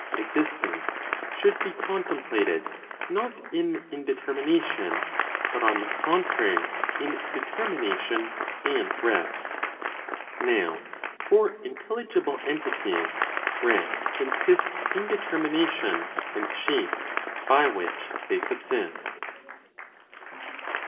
Existence should be contemplated, not in indetermination, but on the contrary in determination and rest. Now, for Intelligible entities, rest consists in determination, and shape by which they subsist.